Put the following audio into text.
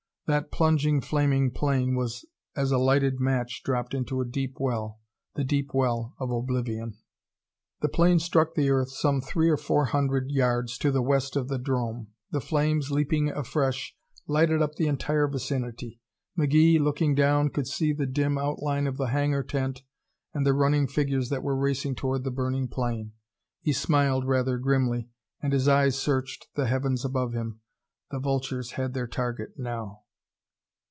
That plunging, flaming plane was as a lighted match dropped into a deep well the deep well of oblivion. The plane struck the earth some three or four hundred yards to the west of the 'drome. The flames, leaping afresh, lighted up the entire vicinity. McGee, looking down, could see the dim outline of the hangar tent and the running figures that were racing toward the burning plane. He smiled, rather grimly, and his eyes searched the heavens above him. The vultures had their target now!